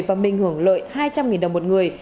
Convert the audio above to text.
và mình hưởng lợi hai trăm linh đồng một người